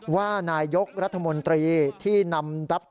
ว่านายกรัฐมนตรีที่นำรับ